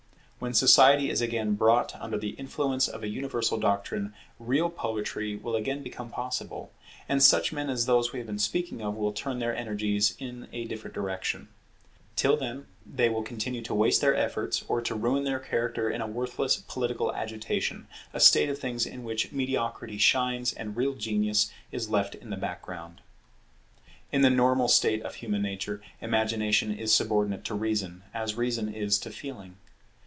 When Society is again brought under the influence of a universal doctrine, real poetry will again become possible; and such men as those we have been speaking of will turn their energies in a different direction. Till then they will continue to waste their efforts or to ruin their character in worthless political agitation, a state of things in which mediocrity shines and real genius is left in the background. In the normal state of human nature, Imagination is subordinate to Reason as Reason is to Feeling.